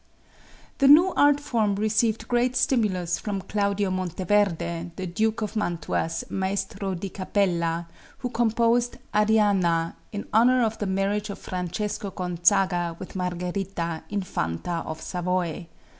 The new art form received great stimulus from Claudio Monteverde, the Duke of Mantua's maestro di capella, who composed "Arianna" in honor of the marriage of Francesco Gonzaga with Margherita, Infanta of Savoy.